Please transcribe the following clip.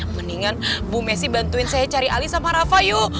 mendingan bu messi bantuin saya cari ali sama rafa yuk